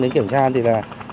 đến kiểm tra thì là